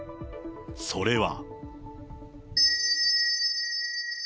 それは。